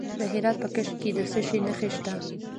د هرات په کشک کې د څه شي نښې دي؟